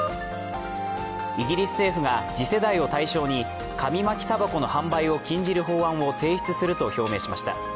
イギリス政府が次世代を対象に紙巻きたばこの販売を禁じる法案を提出すると表明しました。